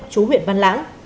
chú huyện văn lãng